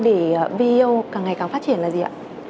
để veo càng ngày càng phát triển là gì ạ